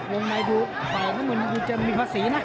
ลงในดูไฟมันมีความสีนะ